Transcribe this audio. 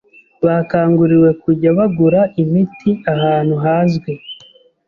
bakanguriwe kujya bagura imiti ahantu hazwi